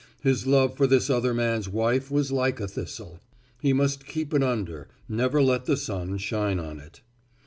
His love for this other man's wife was like a thistle. He must keep it under, never let the sun shine on it.